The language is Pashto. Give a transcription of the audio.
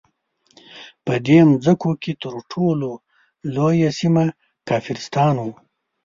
په دې مځکو کې تر ټولو لویه سیمه کافرستان وو.